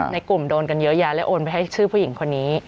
ในกลุ่มโดนกันเยอะแยะเลยโอนไปให้ชื่อผู้หญิงคนนี้